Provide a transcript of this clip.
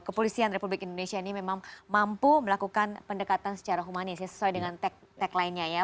kepolisian republik indonesia ini memang mampu melakukan pendekatan secara humanis sesuai dengan tagline nya ya